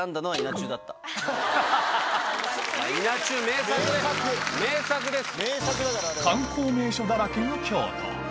『稲中』名作名作です！